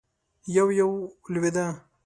يو- يو لوېده.